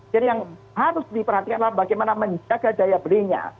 jadi yang harus diperhatikan adalah bagaimana menjaga daya belinya